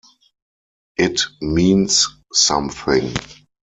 It means something.